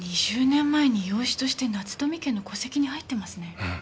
２０年前に養子として夏富家の戸籍に入ってますね。